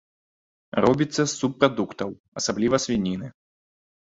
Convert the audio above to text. Робіцца з субпрадуктаў, асабліва свініны.